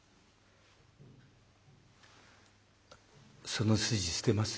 「その筋捨てます？